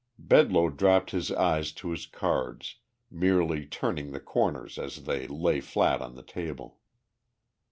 Bedloe dropped his eyes to his cards, merely turning the corners as they lay flat on the table.